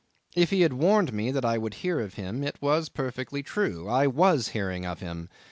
If he had warned me that I would hear of him it was perfectly true. I was hearing of him.